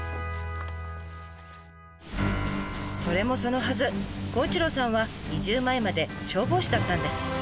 それもそのはず孝一郎さんは移住前まで消防士だったんです。